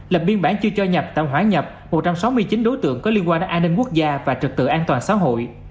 lập biên bản chưa cho nhập tạo hóa nhập một trăm sáu mươi chín đối tượng có liên quan đến an ninh quốc gia và trực tự an toàn xã hội